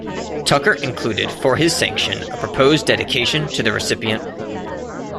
Tucker included for his sanction a proposed dedication to the recipient.